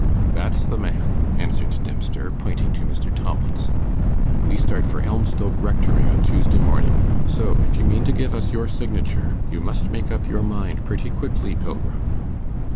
'That's the man,' answered Dempster, pointing to Mr. Tomlinson. 'We start for Elmstoke Rectory on Tuesday morning; so, if you mean to give us your signature, you must make up your mind pretty quickly, Pilgrim.